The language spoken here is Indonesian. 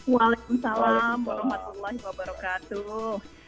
waalaikumsalam warahmatullahi wabarakatuh